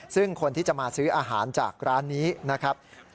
ซึ่งคนที่จะมาซื้ออาหารจากร้านนี้นะครับ